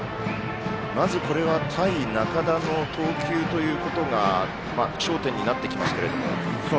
まず、対仲田の投球ということが焦点になってきますけれども。